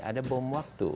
ada bom waktu